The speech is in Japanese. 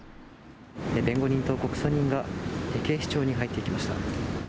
弁護人と告訴人が、警視庁に入っていきました。